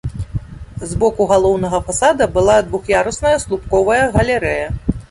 З боку галоўнага фасада была двух'ярусная слупковая галерэя.